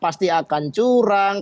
pasti akan disurang